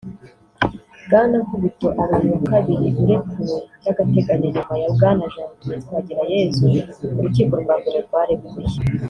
Bwana Nkubito abaye uwa kabiri urekuwe by’agateganyo nyuma ya Bwana Janvier Twagirayezu urukiko rwa mbere rwarekuye